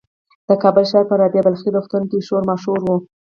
د کابل ښار په رابعه بلخي روغتون کې شور ماشور و.